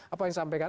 apa yang disampaikan